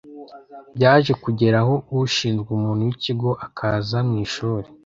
Byaje kugera aho ushinzwe umuntu w’ikigo akaza mu ishuri